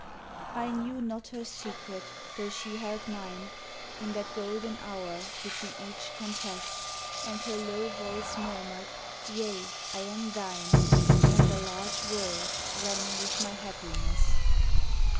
I knew not her secret, though she held mine: In that golden hour did we each confess; And her low voice murmured, Yea, I am thine, And the large world rang with my happiness.